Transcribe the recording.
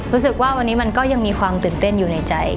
รู้สึกว่าวันนี้มันก็ยังมีความตื่นเต้นอยู่ในใจ